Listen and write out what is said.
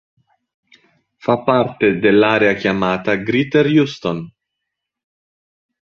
Fa parte dell'area chiamata Greater Houston.